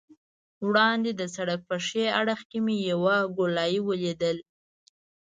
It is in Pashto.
وړاندې د سړک په ښي اړخ کې مې یوه ګولایي ولیدل.